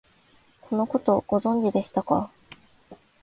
このこと、ご存知でしたか？